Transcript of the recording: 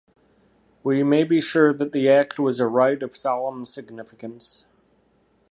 We may be sure that the act was a rite of solemn significance.